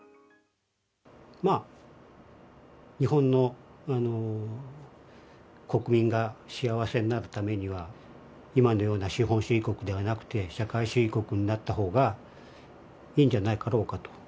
まあ、日本の国民が幸せになるためには、今のような資本主義国ではなくて、社会主義国になったほうがいいんじゃなかろうかと。